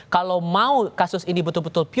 kalau mau kasus ini betul betul